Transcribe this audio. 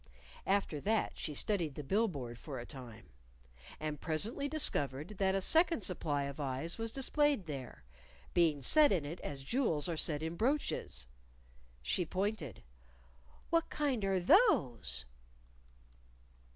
After that she studied the bill board for a time. And presently discovered that a second supply of eyes was displayed there, being set in it as jewels are set in brooches! She pointed. "What kind are those?"